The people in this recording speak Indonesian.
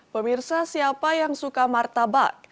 pemirsa siapa yang suka martabak